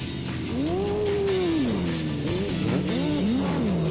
うん？